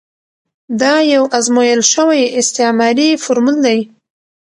دا یو ازمویل شوی استعماري فورمول دی.